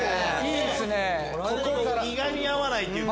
いがみ合わないっていうか。